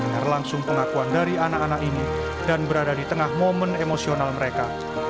mendengar langsung pengakuan dari anak anak ini dan berada di tengah momen emosional mereka